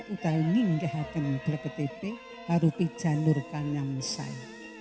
utal minggahkan belketipe baru pijanurkan nyam say